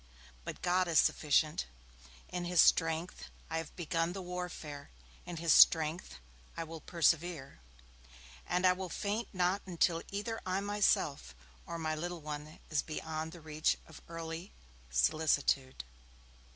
But God is sufficient. In his strength I have begun the warfare, in his strength I will persevere, and I will faint not until either I myself or my little one is beyond the reach of earthly solicitude.'